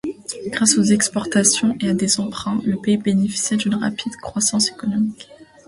Grâce aux exportations et à des emprunts, le pays bénéficia d'une rapide croissance économique.